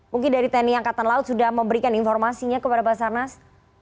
mungkin dari tni angkatan laut sudah memberikan informasinya kepada basarnas